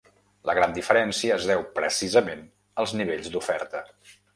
La gran diferència es deu precisament als nivells d’oferta.